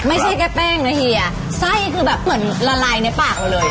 ไม่ใช่แค่แป้งนะเฮียไส้คือแบบเหมือนละลายในปากเราเลย